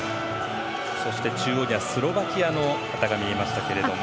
そして、中央にはスロバキアの旗が見えました。